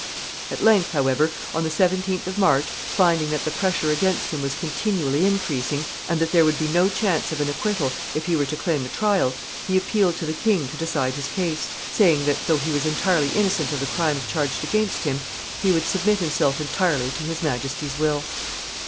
At length, however, on the seventeenth of March, finding that the pressure against him was continually increasing, and that there would be no chance of an acquittal if he were to claim a trial, he appealed to the king to decide his case, saying that, though he was entirely innocent of the crimes charged against him, he would submit himself entirely to his majesty's will.